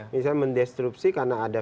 bisa mendistrupsi karena ada